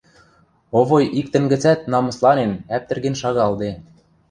Овой иктӹн гӹцӓт намысланен-ӓптӹрген шагалде.